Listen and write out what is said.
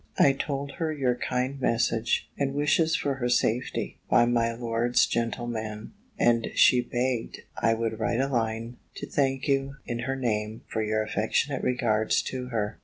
I told her your kind message, and wishes for her safety, by my lord's gentleman; and she begged I would write a line to thank you in her name for your affectionate regards to her.